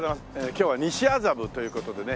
今日は西麻布という事でね。